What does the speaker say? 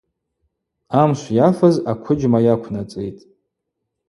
Амшв йафыз аквыджьма йаквнацӏитӏ.